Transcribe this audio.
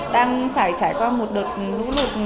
đang phải trải qua một đợt lũ lụt